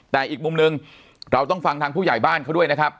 แต่อีกมุมหนึ่งเราต้องฟังทางผู้ใหญ่บ้านเขาด้วยนะครับ